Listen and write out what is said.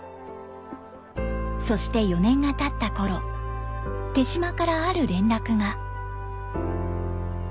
そして４年がたったころ手島からある連絡が。